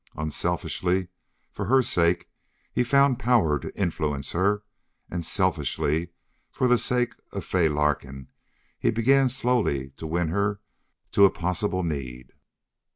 Unselfishly, for her sake, he found power to influence her; and selfishly, for the sake of Fay Larkin, he began slowly to win her to a possible need.